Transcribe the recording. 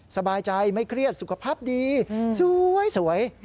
สบายใจไม่เครียดสุขภาพดีสวย